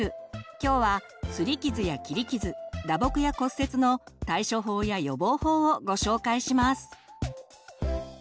今日は「すり傷」や「切り傷」「打撲」や「骨折」の対処法や予防法をご紹介します！